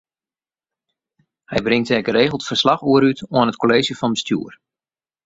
Hy bringt dêr geregeld ferslach oer út oan it Kolleezje fan Bestjoer.